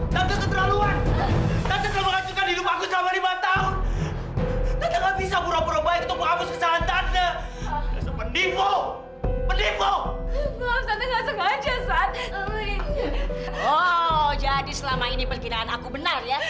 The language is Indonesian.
sampai jumpa di video selanjutnya